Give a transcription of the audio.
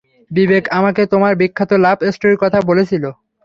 বিবেক আমাকে তোমার বিখ্যাত লাভ স্টোরির কথা বলেছিল।